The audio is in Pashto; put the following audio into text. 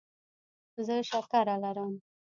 زه شکره لرم.